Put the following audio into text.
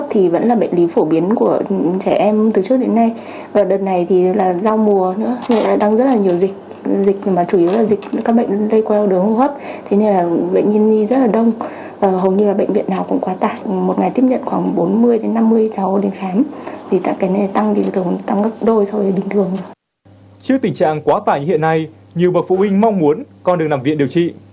trước tình trạng quá tải như hiện nay nhiều bậc phụ huynh mong muốn con được nằm viện điều trị